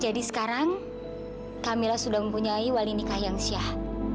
jadi sekarang kamila sudah mempunyai wali nikah yang sihat